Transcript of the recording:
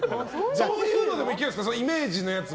そういうのでもいけるんですかイメージの。